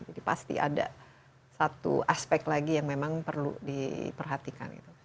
pasti ada satu aspek lagi yang memang perlu diperhatikan gitu